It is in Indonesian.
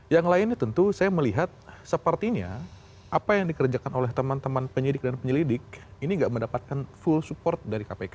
yang lainnya tentu saya melihat sepertinya apa yang dikerjakan oleh teman teman penyidik dan penyelidik ini tidak mendapatkan full support dari kpk